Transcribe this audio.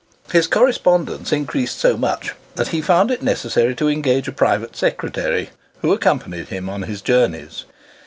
His correspondence increased so much, that he found it necessary to engage a private secretary, who accompanied him on his journeys.